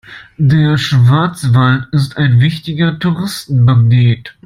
Der Schwarzwald ist ein wichtiger Touristenmagnet.